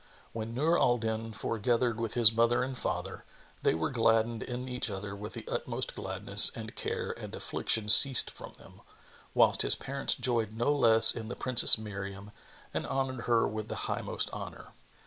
When Nur al Din foregathered with his mother and father, they were gladdened in each other with the utmost gladness and care and affliction ceased from them, whilst his parents joyed no less in the Princess Miriam and honoured her with the highmost honour.